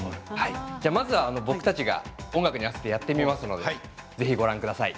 まずは僕たちが音楽に合わせてやってみますのでぜひご覧ください。